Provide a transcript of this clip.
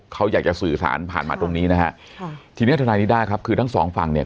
เขาอยากจะสื่อสารผ่านมาตรงนี้นะฮะค่ะทีเนี้ยทนายนิด้าครับคือทั้งสองฝั่งเนี่ย